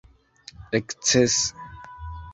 ekscese